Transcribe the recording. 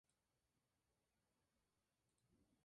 El galápago que protege más su territorio suele ser el vencedor.